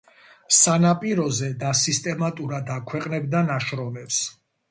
სანაპიროზე და სისტემატურად აქვეყნებდა ნაშრომებს.